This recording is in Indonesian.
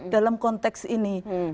dalam konteks ini